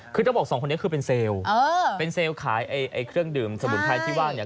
คือต้องบอกสองคนนี้คือเป็นเซลล์เป็นเซลล์ขายไอ้เครื่องดื่มสมุนไพรที่ว่างเนี่ย